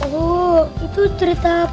wuh itu cerita apa